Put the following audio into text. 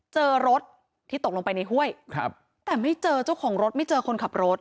เจอรถที่ตกลงไปในห้วยครับแต่ไม่เจอเจ้าของรถไม่เจอคนขับรถ